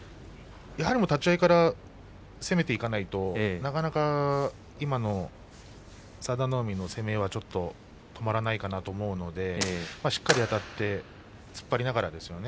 やはり立ち合いから攻めていかないとなかなか今の佐田の海の攻めはちょっと止まらないかなと思うのでしっかりあたって突っ張りながらですよね